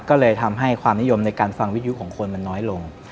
ก็เลยทำให้ความนิยมในการฟังวิทยุของคนมันน้อยลง